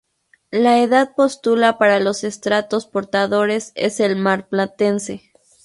La edad postulada para los estratos portadores es el Marplatense.